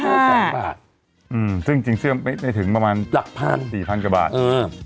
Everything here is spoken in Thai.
อืมซึ่งจริงเสื่อไม่ถึงประมาณหลักพัน๔๐๐๐กว่าบาทเออ